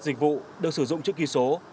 dịch vụ được sử dụng chữ ký số